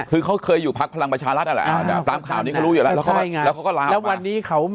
ทุกเค้าเคยอยู่พักพลังประชารัฐนั้นเหรอ